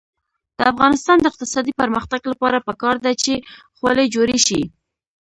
د افغانستان د اقتصادي پرمختګ لپاره پکار ده چې خولۍ جوړې شي.